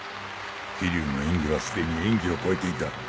霧生の演技は既に演技を超えていた。